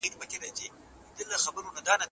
هوکې دا د یو ملت د ویاړ حماسه ده.